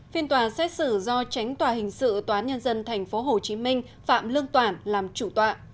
phiên tòa xét xử do tránh tòa hình sự tòa án nhân dân tp hcm phạm lương toản làm chủ tọa